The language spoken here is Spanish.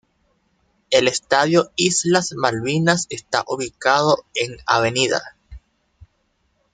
El Estadio Islas Malvinas está ubicado en Av.